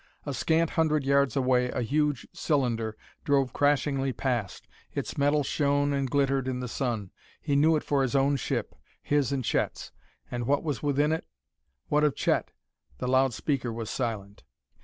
A scant hundred yards away a huge cylinder drove crashingly past. Its metal shone and glittered in the sun; he knew it for his own ship his and Chet's. And what was within it? What of Chet? The loudspeaker was silent.